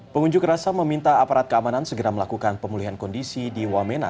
pengunjuk rasa meminta aparat keamanan segera melakukan pemulihan kondisi di wamena